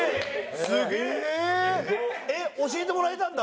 えっ教えてもらえたんだ？